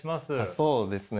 そうですね。